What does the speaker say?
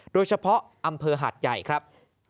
โดยเฉพาะอำเภอหาดใหญ่ครับ